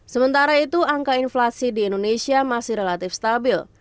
sementara itu angka inflasi di indonesia masih relatif stabil